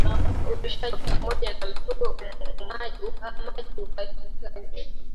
ulishaji wa pamoja wa mifugo uhamaji wa kila mara na mwingiliano kati ya mifugo